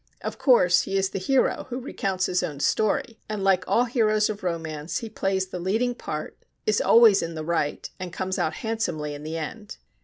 Of course he is the hero who recounts his own story, and like all heroes of romance he plays the leading part, is always in the right, and comes out handsomely in the end.